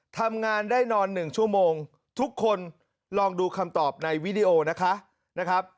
ทำงานได้นอน๑ชั่วโมงทุกคนลองดูคำตอบในวิดีโอนะคะ